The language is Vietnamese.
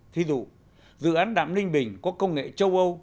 thí dụ dự án đạm ninh bình có công nghệ châu âu